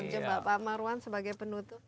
coba pak marwan sebagai penutup